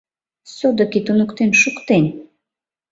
Содыки туныктен шуктен.